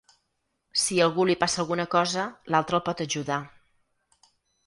Si a algú li passa alguna cosa, l’altre el pot ajudar.